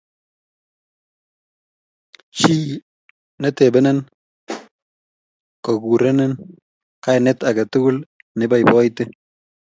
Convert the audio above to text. Chi netebenen kokurenen kainet age tugul neiboiboiiti